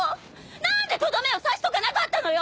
何でとどめを刺しとかなかったのよ！